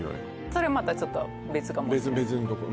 それまたちょっと別かも別んとこ